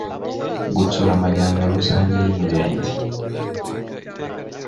gutsura amajyambere rusange y imirenge